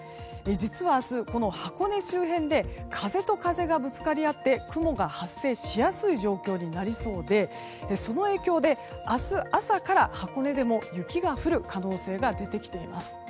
実は明日、箱根周辺で風と風がぶつかり合って雲が発生しやすい状態になりそうでその影響で明日朝から箱根でも雪が降る可能性が出てきています。